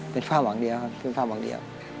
เป็นฝ้าหวังเดียวครับเป็นฝ้าหวังเดียว